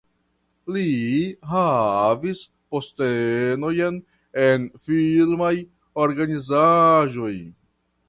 Li havis postenojn en filmaj organizaĵoj.